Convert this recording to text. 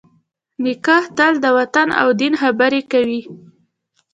نیکه تل د وطن او دین خبرې کوي.